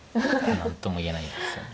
何とも言えないんですよね。